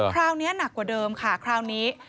คราวนี้หนักกว่าเดิมค่ะคราวนี้